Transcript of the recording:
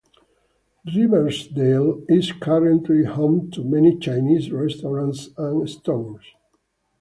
Riversdale is currently home to many Chinese restaurants and stores.